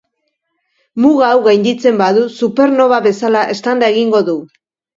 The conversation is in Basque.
Muga hau gainditzen badu, supernoba bezala eztanda egingo du.